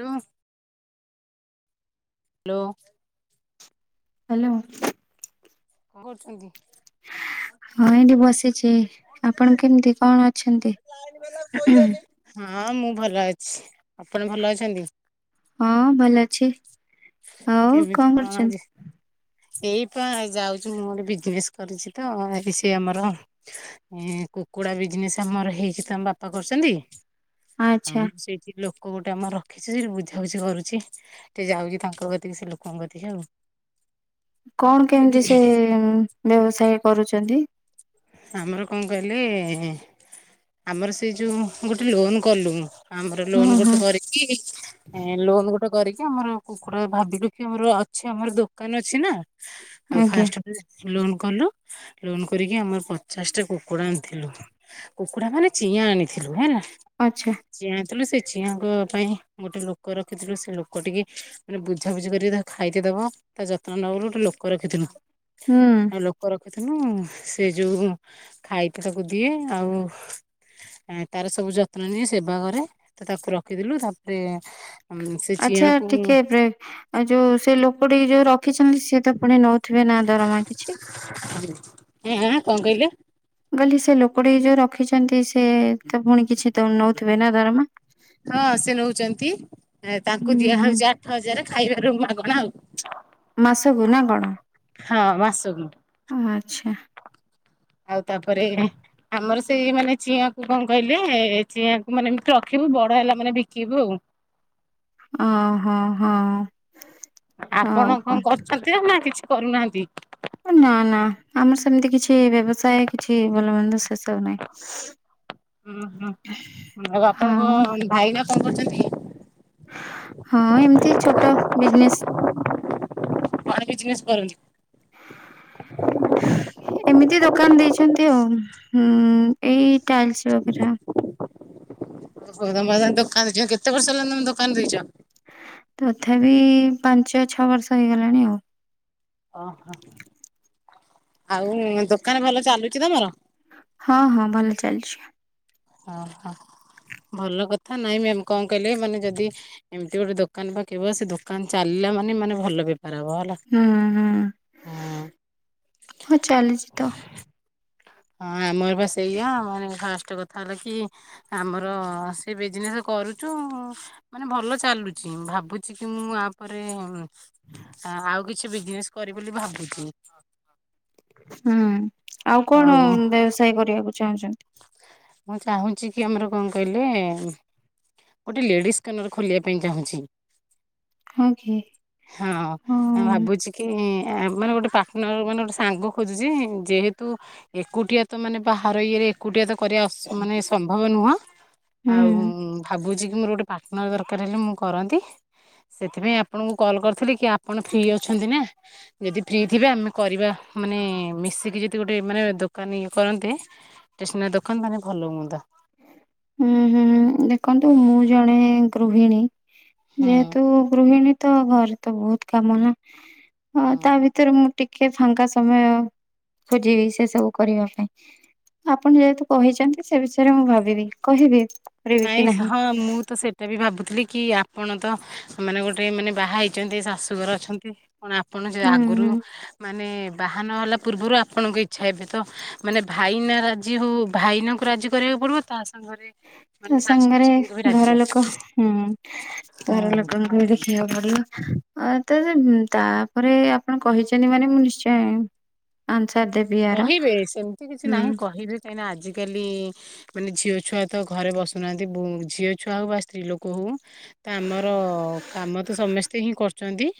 ତୁମେ। Hello. Hello. କଣ କରୁଛନ୍ତି। ହଁ ଏଇଠି ବସିଛି ଆପଣ କେମିତି କଣ। ଅଛନ୍ତି? ଲାଇନି ବେଳକୁ କହିଦେନି ହଁ ମୁଁ ଭଲ ଅଛି ଆପଣ ଭଲ ଅଛନ୍ତି। ହଁ ଭଲ ଅଛି। ଆଉ କେମିତି କଣ କରୁଛନ୍ତି? ଆଜି। ଏଇପା ଯାଉଚୁ ମୁଁ ଗୋଟେ ବିଜନେସ କରିଛି ତ ଏ ସିଏ ଆମର। କୁକୁଡା ବିଜନେସ ଆମର ହେଇଚି ତ ଆମ ବାପା କରୁଛନ୍ତି। ଆଉ ଆଚ୍ଛା ମୁଁ ସେଇଠି ଲୋକ ଗୋଟେ ଆମର ରଖିଛୁ ସେଠି ବୁଝାବୁଝି କରୁଛି ଟିକେ ଯାଉଛି। ତାଙ୍କ କତିକି ସେ ଲୋକଙ୍କ କତିକି ଆଉ। କଣ କେମିତି ସେ ବ୍ୟବସାୟ କରୁଛନ୍ତି। ଆମର କଣ କହିଲେ ଆମର ସେ ଯେଉଁ ଗୋଟେ ଲୋନ୍ କଲୁନୁ। ଆମର ଲୋନ୍ ହଁ ହଁ। ଗୋଟେ କରିକି ଏ ଲୋନ୍ ଗୋଟେ କରିକି ଆମର କୁକୁଡ଼ା ଭାବିଲୁ କି ଆମର ଅଛି ଆମର ଦୋକାନ ଅଛି ନା। ଆଉ ଆଜ୍ଞା ଫାଷ୍ଟ ଲୋନ୍ କଲୁ ଲୋନ୍ କରିକି ଆମ ସେ ପଚାଶ ଟି କୁକୁଡ଼ା ଆଣିଥିଲୁ କୁକୁଡ଼ା ମାନେ ଚିଆଁ ଆଣିଥିଲୁ ହେଲା। ଆଚ୍ଛା। ଚିଆଁ ଅଣିଥିଲୁ ଥିଲୁ ସେ ଚିଆଁଙ୍କ ପାଇଁ ଗୋଟେ ଲୋକ ରଖିଥିଲୁ ସେ ଲୋକଟିକି ମାନେ ବୁଝାବୁଝି କରିକି ତାକୁ ଖାଇତେ ଦେବ ତା ଯତ୍ନ ନବ ବୋଲି ଗୋଟେ ଲୋକ ରଖିଥିଲୁ। ହୁଁ ଆଉ ଲୋକ ରଖିଥିନୁ ସେ ଯୋଉ ଖାଇତେ ତାକୁ ଦିଏ ଆଉ ତାର ସବୁ ଯତ୍ନ ନିଏ ସେବା କରେ ତ ତାକୁ ରଖିଥିଲୁ ତାପରେ ଉଁ। ଆଚ୍ଛା ଟିକେ ବ୍ରେକ ଆଛା ଯୋଉ ସେ ଲୋକଟିକି ଯୋଉ ରଖିଛନ୍ତି ସେ ତ ପୁଣି ନଉ ଥିବେନା ଦରମା କିଛି। ଉଁ ଆଁ ଆଁ କଣ କହିଲେ? ମୁଁ କହଲି ସେ ଲୋକଟି ଯୋଉ ରଖିଛନ୍ତି ସେ ତ ପୁଣି କିଛି ତ ନେଉଥିବେ ନା ଦରମା। ହଁ ସେ ନେଉଛନ୍ତି ତାଙ୍କୁ ହୁଁ ହୁଁ। ଦିଆହେଉଛି ଆ ଆଠ ହଜାରେ ଖାଇବାରୁ ମାଗଣା ଆଉ। ମାସକୁ ନା କଣ ହଁ ମାସକୁ ଆଚ୍ଛା? ଆଉ ତାପରେ ଆମର ସେଇ ମାନେ ଚିଆଁକୁ କଣ କହିଲେ ଚିଆଁକୁ ମାନେ ଏମିତି ରଖିବୁ ବଡ଼ ହେଲା ମାନେ ବିକିବୁ ଆଉ। ଓ ହୋ ହଁ। ଆପଣ କଣ କରୁଛନ୍ତି ନା କିଛି କରୁନାହାଁନ୍ତି? ନା ନା ଆମର ସେମିତି କିଛି ବ୍ୟବସାୟ କିଛି ଭଲ ମନ୍ଦ ସେସବୁ ନାହିଁ। ଉଁ ହୁଁ ମୋ ବାପାଙ୍କ ହଁ ଭାଇନା କଣ କରୁଛନ୍ତି? ହଁ ଏମିତି ଛୋଟ ବିଜନେସ୍। କଣ ବିଜନେସ୍ କରନ୍ତି? ଏମିତି ଦୋକାନ ଦେଇଛନ୍ତି ଆଉ। ହୁଁ ଏଇ ଟାଇଲ୍ସ ବଗେରା। [unintelligible] କେତେ ବର୍ଷ ହେଲାଣି ତମେ ଦୋକାନ ଦେଇଛ? ତଥାପି ପାଞ୍ଚ ଛଅ ବର୍ଷ ହେଇଗଲାଣି ଆଉ। ଓହୋ। ଆଉ ଦୋକାନ ଭଲ ଚାଲୁଛି ତମର? ହଁ ହଁ ଭଲ ଚାଲିଛି। ଓହୋ ଭଲ କଥା ନାଇଁ ମ୍ୟାମ୍ କଣ କହିଲେ? ମାନେ ଯଦି ଏମିତି ଗୋଟେ ଦୋକାନ ପକେଇବ ସେ ଦୋକାନ ଚାଲିଲା ମାନେ ମାନେ ଭଲ ବେପାର ହେବ ହେଲା। ହୁଁ ହୁଁ ହୁଁ। ହଁ ଚାଲିଛି ତ। ହଁ ଆମର ବା ସେଇଆ ମାନେ ଫାଷ୍ଟ କଥା ହେଲା କି ଆମର ସେ ବିଜନେସ କରୁଛୁ ମାନେ ଭଲ ଚାଲୁଛି। ଭାବୁଚିକି ମୁଁ ଆ ପରେ ଆଉ କିଛି ବିଜନେସ୍ କରି ବୋଲି ଭାବୁଛି। ହୁଁ ଆଉ କଣ ବ୍ୟବସାୟ କରିବାକୁ ଚାହୁଁଛନ୍ତି? ମୁଁ ଚାହୁଁଛି କି ଆମର କଣ କହିଲେ? ଗୋଟେ ଲେଡିସ କର୍ନର ଖୋଲିବା ପାଇଁ ଚାହୁଁଛି। ହଁ କି ହଁ ମୁ ହଁ। ଭାବୁଛି କି ମାନେ ଗୋଟେ ପାର୍ଟନର ମାନେ ଗୋଟେ ସାଙ୍ଗ ଖୋଜୁଛି, ଯେହେତୁ ଏକୁଟିଆ ତ ମାନେ ବାହାର ଇଏରେ ଏକୁଟିଆ ତ କରିବା ମାନେ ସମ୍ଭବ ନୁହଁ, ହୁଁ ଆଉ ଭାବୁଛି କି ମୋର ଗୋଟେ ପାର୍ଟନର ଦରକାର ହେଲେ ମୁଁ କରନ୍ତି। ସେଥିପାଇଁ ଆପଣଙ୍କୁ କଲ୍ କରିଥିଲି କି ଆପଣ ଫ୍ରି ଅଛନ୍ତି ନା? ଯଦି ଫ୍ରି ଥିବେ ଆମେ କରିବା ମାନେ ମିଶିକି ଯଦି ଗୋଟେ ମାନେ ଦୋକାନ ଇଏ କରନ୍ତେ ଷ୍ଟେସନାରୀ ଦୋକାନ ତାନେ ଭଲ ହୁଅନ୍ତା। ହୁଁ ହୁଁ ଦେଖନ୍ତୁ ମୁଁ ଜଣେ ଗୃହିଣୀ ହୁଁ ଯେହେତୁ ଗୃହିଣୀ ତ ଘରେ ତ ବହୁତ କାମ ନା ତା ହଁ। ଭିତରେ ଭିତରେ ମୁଁ ଟିକେ ଫାଙ୍କା ସମୟ ଖୋଜିବି ସେ ସବୁ କରିବା ପାଇଁ ଆପଣ ଯେହେତୁ କହିଛନ୍ତି ସେ ବିଷୟରେ ମୁଁ ଭାବିବି କହିବି କରିବି ନାଇଁ କି ନାହିଁ। ହଁ ମୁଁ ସେଇଟା ତ ବି ଭାବୁଥିଲି କି ଆପଣ ତ ମାନେ ଗୋଟେ ମାନେ ବାହା ହେଇଛନ୍ତି ଶାଶୁଘର ଅଛନ୍ତି। କଣ ଆପଣ ସେ ହୁଁ ଆଗରୁ ହୁଁ। ମାନେ ବାହାନ ହେଲା ପୂର୍ବରୁ ଆପଣଙ୍କ ଇଚ୍ଛା ଏବେ ତ ମାନେ ଭାଇନା ରାଜି ହେଉ ଭାଇନାଙ୍କୁ ରାଜି କରିବାକୁ ପଡ଼ିବ ତା ସାଙ୍ଗରେ ମାନେ ତା ଶାଶୁ ସାଙ୍ଗରେ ଶ୍ୱଶୁରଙ୍କୁ ବି ରାଜି ଘର କରିବେ ଲୋକ ହୁଁ ଘର ହଁ ଲୋକଙ୍କୁବି ବୁଝିଆକୁ ପଡିବ, ହଁ ତ ତାପରେ ଆପଣ କହିଛନ୍ତି ମାନେ ମୁଁ ନିଶ୍ଚୟ ଆନ୍ସର ଦେବି। ୟାର କହିବେ ସେମିତି କିଛି ହୁଁ। ନାହିଁ କହିବେ କାହିଁକିନା ଆଜିକାଲି ମାନେ ଝିଅ ଛୁଆ ତ ଘରେ ବସୁନାହାନ୍ତି ବୁ ଝିଅ ଛୁଆ ହଉ ବା ସ୍ତ୍ରୀ ଲୋକ ହଉ। ତ ଆମର କାମ ତ ସମସ୍ତେ ହିଁ କରୁଛନ୍ତି।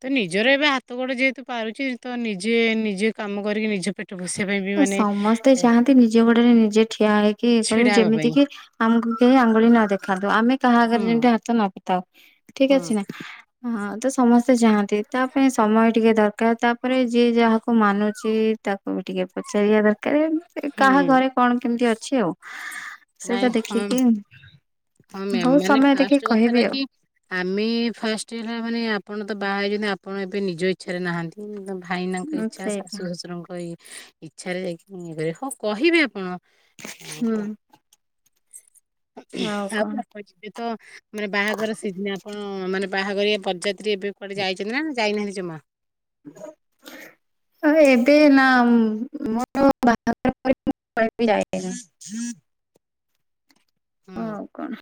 ତ ନିଜର ଏବେ ହାତ ଗୋଡ ଯେହେତୁ ପାରୁଛି ତ ନିଜେ ନିଜେ କାମ କରିକି ନିଜ ପେଟ ବସିବା ପାଇଁବି ସମସ୍ତେ ଚାହାନ୍ତି ନିଜ ଗୋଡରେ ନିଜେ ଠିଆ ହେଇକି ଇଏ କରିବେ। ଛିଡା ହେବା ଯେମିତି ପାଇଁ କିି ଆମକୁ କେହି ଆଙ୍ଗୁଳି ନ ଦେଖାନ୍ତୁ। ଆମେ କାହା ଆଗରେ ହୁଁ ଯେମିତି ହାତ ନ ପ ତାଉ। ଠିକ ହୁଁ। ଅଛି ନା। ତ ସମସ୍ତେ ଚାହାନ୍ତି ତା ପାଇଁ ସମୟ ଟିକେ ଦରକାର। ତାପରେ ଯିଏ ଯାହାକୁ ମାନୁଛି ତାକୁ ବି ଟିକେ ପଚାରିବା ଦରକାର। କାହା ହୁଁ ଘରେ କଣ କେମିତି ଅଛି ଆଉ। ନାଇଁ ସେଇଟା ହଁ ଦେଖିକି ହଁ ମ୍ୟାମ୍ ବୋହୁତ ମାନେ ସମୟ ଫାଷ୍ଟ ଦେଖିକି କଥାଟା କହିବି ଆଉ। କି ଆମେ ଫାଷ୍ଟ ହେଲା ମାନେ ଆପଣ ତ ବାହା ହେଇଛନ୍ତି। ଆପଣ ଏବେ ନିଜ ଇଚ୍ଛାରେ ନାହାନ୍ତି। ଭାଇନାଙ୍କ ଉଁ ଇଚ୍ଛା ସେଇଟା। ଶାଶୁ ଶଶୁରଙ୍କ ଇ ଇଛାରେ ଯାଇକି ମୁଁ ଇଏ କରିବି। ହଁ କହିବେ ଆପଣ। ହୁଁ ଆଉ ରଛି ତ [inaudible] ମାନେ ବାହାଘର ସିଜିନ। ଆପଣ ମାନେ ବାହାଘରିଆ ବରଯାତ୍ରୀ ଏବେ କୁଆଡେ ଯାଇଛନ୍ତି ନା ଯାଇନାହାନ୍ତି ଜମା? ହ ଏବେ ନା ମୋର ବାହାଘର ପରେ ମୋ କୁଆଡେ ବି ଯାଏନା [inaudible] ହୁଁ। ଆଉ କଣ?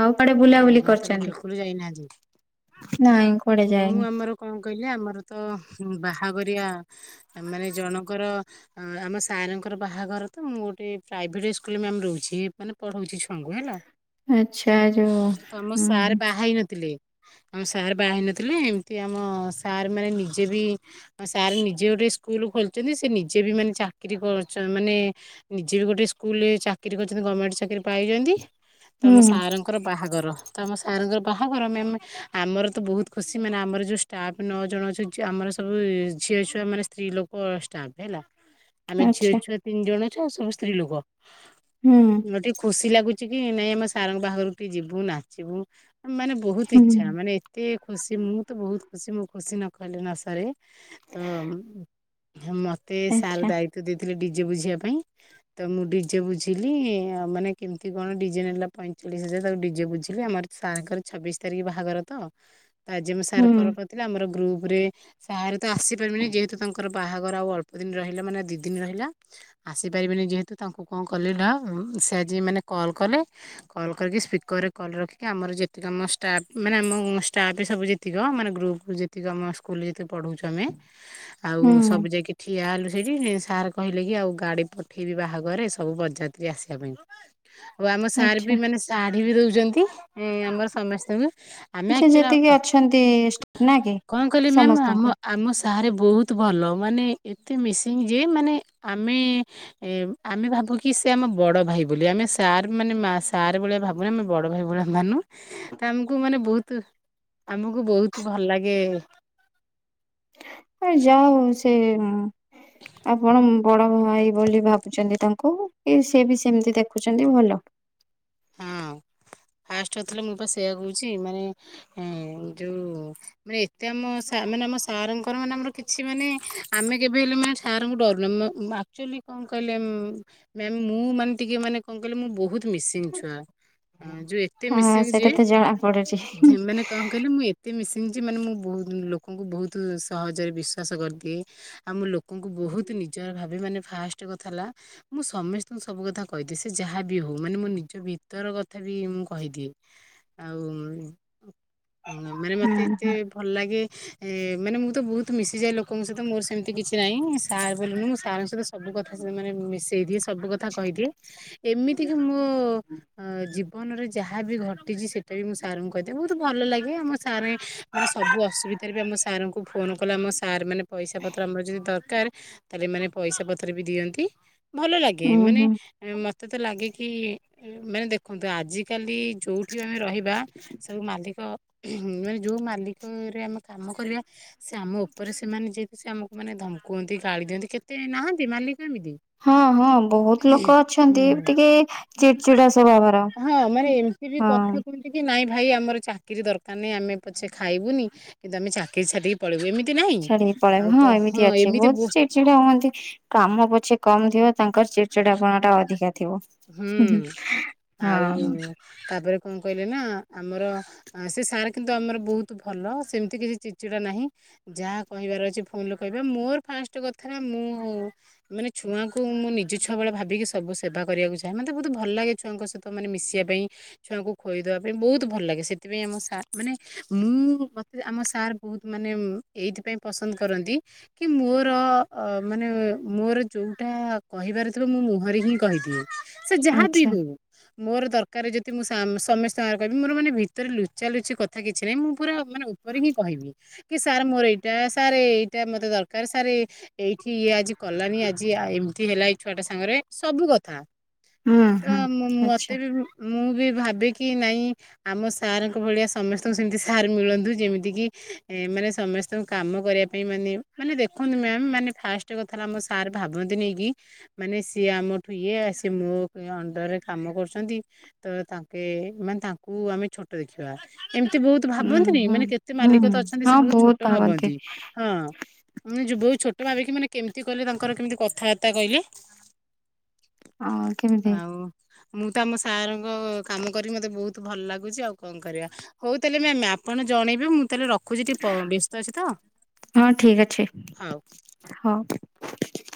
ଆଉ କୁଆଡେ ଓହୋ ବୁଲାବୁଲି ତାହେଲେ କରିଛନ୍ତି? ବିଲକୁଲ ଯାଇନାହାନ୍ତି ମୁଁ ଆମର କଣ କହିଲେ ଆମର ତ ବାହାଘରିଆ ମାନେ ଜଣଙ୍କର ଅ ଆମ ସାରଙ୍କର ବାହାଘର ତ ମୁଁ ଗୋଟେ ପ୍ରାଇଭେଟ ସ୍କୁଲ ମ୍ୟାମ୍ ରହୁଛି ମାନେ ପଢଉଛି ଛୁଆଙ୍କୁ ହେଲା। ଆଚ୍ଛା। ଯୋଉ ତମ ହୁଁ ସାର ବାହା ହେଇ ନଥିଲେ? ଆମ ସାର୍ ବାହା ହେଇ ନଥିଲେ। ଏମିତି ଆମ ସାର୍ ମାନେ ନିଜେ ବି ସାର୍ ନିଜେ ଗୋଟେ ସ୍କୁଲ ଖୋଲିଛନ୍ତି। ସେ ନିଜେ ବି ମାନେ ଚାକିରି କରୁଚ ମାନେ ନିଜେ ବି ଗୋଟେ ସ୍କୁଲରେ ଚାକିରି କରିଛନ୍ତି ଗମେଣ୍ଟ ଚାକିରି ପାଇଛନ୍ତି। ତ ହୁଁ ଆମ ହୁଁ ସାର୍ ଙ୍କ ଙ୍କର ବାହାଘର। ତ ଆମ ସାର୍ ଙ୍କର ବାହାଘର। ମ୍ୟାମ୍ ଆମର ତ ବୋହୁତ ଖୁସି ମାନେ ଆମର ଯୋଉ ଷ୍ଟାଫ ନଅ ଜଣ ଅଛୁ। ଆମର ସବୁ ଝିଅ ଛୁଆ ମାନେ ସ୍ତ୍ରୀ ଲୋକ ଷ୍ଟାଫ ହେଲା। ଆମେ ଝିଅ ଆଚ୍ଛା ଛୁଆ ତିନି ଜଣ ଅଛୁ ଆଉ ସବୁ ସ୍ତ୍ରୀ ଲୋକ। ହୁଁ ମତେ ଟିକେ ଖୁସି ଲାଗୁଛି କି ନାଇଁ ଆମେ ସାରଙ୍କ ବାହାରକୁ ଟିକେ ଯିବୁ ନାଚିବୁ। ମାନେ ବୋହୁତ ହୁଁ ଇଛା। ମାନେ ଏତେ ଖୁସି ମୁଁ ତ ବୋହୁତ ଖୁସି। ମୁଁ ଖୁସି ନ କହିଲେ ନ ସରେ। ତ ମତେ ସାର୍ ଆଚ୍ଛା ଦାୟିତ୍ଵ ଦେଇଥିଲେ ଡିଜେ ବୁଝିବା ପାଇଁ। ତ ମୁଁ ଡିଜେ ବୁଝିଲି। ଆଉ ମାନେ କେମିତି କଣ ଡିଜେ ନେଲା ପଇଁଚାଳିଶ ହଜାର ତାକୁ ଡିଜେ ବୁଝିଲି। ଆମର ସାର୍ ଙ୍କର ଛବିଶ ତାରିଖ ବାହାଘର ତ ଆଜି ମୁଁ ସାର୍ ହୁଁ ଙ୍କର ଥିଲା ଆମର ଗ୍ରୁପରେ ସାାରେ ତ ଆସିପାରିବେନି ଯେହେତୁ ତାଙ୍କର ବାହାଘର ଆଉ ଅଳ୍ପ ଦିନ ରହିଲା ମାନେ ଦି ଦିନ ରହିଲା। ଆସି ପାରିବେନି ଯେହେତୁ ତାଙ୍କୁ କଣ କଲି ନା, ସେ ଆଜି କଲ୍ କଲେ। କଲ କରିକି ସ୍ପିକ ରେ କଲ୍ ରଖିକି ଆମର ଯେତିକ ଆମ ଷ୍ଟାଫ୍ ମାନେ ଆମ ଷ୍ଟାଫ୍ ସବୁ ଯେତିକ ମାନେ ଗ୍ରୁପ୍ କୁ ଯେ ଯେତିକ ଆମ ସ୍କୁଲରେ ଯେତେ ପଢଉଛୁ ଆମେ, ଆଉ ହୁଁ ସବୁ ଯାଇକି ଠିଆ ହେଲୁ ସେଇଠି ସାର୍ କହିଲେ କି ଆଉ ଗାଡି ପଠେଇବି ବାହାଘରେ ସବୁ ବରଯାତ୍ରୀ ଆସିବା ପାଇଁ। ଆଉ ଆମ ସାର ବି ଆଚ୍ଛା। ମାନେ ଶାଢୀ ବି ଦଉଛନ୍ତି ଏ ଆମର ସମସ୍ତଙ୍କୁ। ଆମେ ଆଚ୍ଛା ଆକଚୁଆଲି ଯେତିକି ଆ ଅଛନ୍ତି ଷ୍ଟାଫ୍ ନା କି? କଣ କହିଲେ ମ୍ୟାମ ଆମ ସମସ୍ତଙ୍କୁ ଆମ ସ ବାହାରେ ବହୁତ ଭଲ। ମାନେ ଏତେ ମିସିଙ୍ଗ ଯେ ମାନେ ଆମେ ଏ ଆମେ ଭାବୁ କିି ସେ ଆମ ବଡ ଭାଇ ବୋଲି। ଆମେ ସାର୍ ମାନେ ମା ସାର୍ ଭଳିଆ ଭାବୁ ବଡ ଭାଇ ଭଳିଆ ମାନୁ। ତ ଆମକୁ ମାନେ ବହୁତ ଆମକୁ ବହୁତ ଭଲ ଲାଗେ ଅ ଯାହା ହଉ ସେ ଆପଣ ଉଁ ବଡ ଭାଇ ବୋଲି ଭାବୁଛନ୍ତି ତାଙ୍କୁ। ଏ ସିଏ ବି ସେମିତି ଦେଖୁଛନ୍ତି ଭଲ। ହଁ ଫାଷ୍ଟରୁ ଥିଲି ମୁଁ ପା ସେଇଆ କହୁଛି ମାନେ ହୁଁ ଯୋଉ ମାନେ ଏତେ ଆମ ସା ମାନେ ଆମ ସାରଙ୍କ ମାନେ ଆମର କିଛି ମାନେ ଆମେ କେବେ ହେଲେ ମା ସାରଙ୍କୁ ଡରୁନେ। ମ ଆକ୍ଚୁଆଲି କଣ କହିଲେ ଉଁ? ମ୍ୟାମ ମୁଁ ମାନେ ଟିକେ ମାନେ କଣ କହିଲେ ମୁଁ ବହୁତ ମିସିଙ୍ଗ ଛୁଆ। ଯୋଉ ଏ ଏତେ ଆ ମିଶିଙ୍ଗ ସେଇଟା ଯେ, ତ ଜଣା ପଡୁଛି। ମାନେ କଣ କହିଲେ ମୁଁ ଏ ଏତେ ମିଶିଙ୍ଗ ଯେ ମାନେ ମୁଁ ବହୁତ ଲୋକଙ୍କୁ ବହୁତ ସହଜରେ ବିଶ୍ଵାସ କରିଦିଏ। ଆଉ ମୁଁ ଲୋକଙ୍କୁ ବହୁତ ନିଜର ଭାବେ। ମାନେ ଫାଷ୍ଟ କଥା ହେଲା ମୁଁ ସମସ୍ତଙ୍କୁ ସବୁ କଥା କହିଦିଏ। ସେ ଯାହାବି ହଉ ମାନେ ମୋ ନିଜ ଭିତର କଥା ବି ମୁ କହିଦିଏ। ଆଉ ମାନେ ମତେ ଏତେ ଭଲ ଲାଗେ ଏ ମାନେ ମୁଁ ତ ବହୁତ ମିଶିଯାଏ ଲୋକଙ୍କ ସହିତ ମୋର ସେମିତି କିଛି ନାହିଁ। ସାର୍ ବୋଲି ମୁଁ ସାରଙ୍କ ସହିତ ସବୁ କଥା ସେମାନେ ମିଶେଇ ଦିଏ। ସବୁ କଥା କହିଦିଏ। ଏମିତିକା ମୋ ଅ ଜୀବନରେ ଯାହା ବି ଘଟିଛି ସେଇଟା ବି ମୁଁ ସାରଙ୍କୁ କହିଦିଏ। ବହୁତ ଭଲ ଲାଗେ। ଆମ ସାର୍ ମାନେ ସବୁ ଅସୁବି ବିଧାରେ ଆମ ସାରଙ୍କୁ ଫୋନ୍ କଲେ ଆମ ସାର୍ ମାନେ ପଇସା ପତ୍ର ଆମର ଯଦି ଦରକାର ତାହେଲେ ଏମାନେ ପଇସା ପତ୍ର ବି ଦିଅନ୍ତି। ଭଲ ଲାଗେ। ଉୁଁ ମାନେ ହୁଁ ମତେ ତ ଲାଗେ କି, ମାନେ ଦେଖନ୍ତୁ ଆଜି କାଲି ଯୋଉଠି ଆମେ ରହିବା ସବୁ ମାଲିକ, ମାନେ ଯୋଉ ମାଲିକରେ ଆମେ କାମ କରିବା ସେ ଆମ ଉପରେ ସେମାନେ ଯେହେତୁ ସେ ଆମକୁ ମାନେ ଧମକୁଅନ୍ତି, ଗାଳି ଦିଅନ୍ତି କେତେ ନାହାନ୍ତି ମାଲିକ ଏମିତି। ହଁ-ହଁ ବହୁତ ଲୋକ ଅଛନ୍ତି ହୁଁ। ଟିକେ ଚିଡ଼ଚିଡ଼ା ସ୍ୱଭାବର। ହଁ ମାନେ ଏମିତି ବି କଥା ହଁ କୁହନ୍ତି ନାଇଁ ଭାଇ ଆମର ଚାକିରୀ ଦରକାର ନାଇଁ। ଆମେ ପଛେ ଖାଇବୁନି, କିନ୍ତୁ ଆମେ ଚାକିରି ଛାଡିଦେଇକି ପଳେଇବୁ। ନାହିଁ ଛାଡିକି ପଳାନ୍ତି। ଆଉ ହଁ ତ ଏମିତି ଅଛି ବହୁତ ବୋ ଚି ଚିଡ଼ଚ଼ିଡ଼ା ହୁଅନ୍ତି। କାମ ପଛେ କମ, ଥିବ ତାଙ୍କର ଚିଡ଼ଚିାଡ଼ାପଣ ଟା ଅଧିକା ଥିବ। ହୁଁ -ହୁଁ, ଆଉ ହଁ। ତାପରେ କଣ କହିଲେ ନା ଆମର ସେ ସାର କିନ୍ତୁ ଆମର ବହୁତ ଭଲ। ସେମିତି କିଛି ଚ଼ିଡ଼ଚିଡ଼ା ନାହିଁ। ଯାହା କହିବାର ଅଛି ଫୋନରେ କହିବେ। ମୋର ଫାଷ୍ଟ କଥା ମୁଁ ମାନେ ଛୁଆଙ୍କୁ ମୁଁ ନିଜ ଛୁଆ ଭଳିଆ ଭାବିକି ସବୁ ସେବା କରିବାକୁ ଚାହେଁ। ମତେ ବହୁତ ଭ ଲାଗେ ଛୁଆଙ୍କ ସହିତ ମାନେ ମିଶିବା ପାଇଁ। ଛୁଆଙ୍କୁ ଖୋଇଦେବା ପାଇଁ ବହୁତ ଭଲ ଲାଗେ। ସେଥିପାଇଁ ଆମ ସାର ମାନେ ମୁଁ ମତେ ଆମ ସାର୍ ବହୁତ ମାନେ ଉଁ ଏଇଥିପାଇଁ ପସନ୍ଦ କରନ୍ତି କି ମୋର ଅ ମାନେ ମୋର ଯୋଉଟା କହିବାର ଥିବ ମୁଁ ମୁହଁରେ ହିଁ କହିଦିଏ। ସେ ଯାହା ବିି ଆଚ୍ଛା ହଉ। ମୋର ଦରକାର ଯଦି ମୁଁ ସାମ ସମସ୍ତଙ୍କ ଆଗରେ କହିବି। ମୋର ମାନେ ଭିତରେ ଲୁଚା ଲୁଚି କଥା କିଛି ନାହିଁ। ମୁଁ ପୁରା ମାନେ ଉପ କରି ହିଁ କହିବି କି ସାର୍ ମୋର ଏଇଟା ସାର୍ ଏଇଟା ମତେ ଦରକାର ସାର୍ ଏଇଠି ଇଏ ଆଜି କଲାନି ଆଜି ଏମିତି ହେଲା ଏଇ ଛୁଆଟା ସାଙ୍ଗରେ ସବୁ କଥା ହୁଁ ତ ହୁଁ ମ ଆଚ୍ଛା। ମତେ ବି ମୁଁ ବି ଭାବିକି ନାଇଁ ଆମ ସାର୍ଙ୍କ ଭଳିଆ ସମସ୍ତଙ୍କୁ ସେମିତି ସାର୍ ମିଳନ୍ତୁ ଯେମିତି କିି ମାନେ ସମସ୍ତ ତୁ କାମ କରିବା ପାଇଁ ମାନେ ମାନେ ଦେଖନ୍ତୁ ମ୍ୟାସ୍ ମାନେ ଫାଷ୍ଟ କଥା ଆମ ସାର୍ ଭାବନ୍ତି ନାଇକି ମାନେ ସିଏ ଆମଠୁ ଇଏସ ସେ ମୋ ଅଣ୍ଡରରେ କାମ କରୁଛନ୍ତି ତ ତାଙ୍କେ ମାନେ ତାଙ୍କୁ ଆମେ ଛୋଟ ଦେଖ୍ ଛୁଆ ଏମିତି ବହୁତ ଉୁଁ ଭାବନ୍ତିନି ହୁଁ ମାନେ କେତେ ହୁଁ ମାଲିକ ତ ଅଛନ୍ତି ସେ ହଁ ବହୁତ ଛୋଟ ଭାବନ୍ତି ହଁ ମାନ ଯ ବୋଉ ଛୋଟ ଭାବିକି ମାନେ କେମିତି କହିଲେ ତାଙ୍କର କେମିତି କଥାବାର୍ତ୍ତା କହିଲେ ଆଉ କେମିତି ଆଉ ମୁଁ ତ ଆମ ସାର୍ଙ୍କ କାମ କରି ମତେ ବହୁତ ଭଲ ଲାଗୁଛି ଆଉ କଣ କରିବା ହଉ ତାହେଲେ ମ୍ୟାମ୍ ଆପଣ ଜଣେଇବେ ମୁଁ ତାହେଲେ ରଖ ଖୁଛି ଟିକେ ପ ବ୍ୟସ୍ତ ଅଛି ତ ଠିକ ଅଛି ହଉ ହଁ